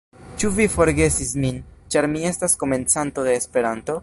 Ĉu vi forgesis min, ĉar mi estas komencanto de Esperanto?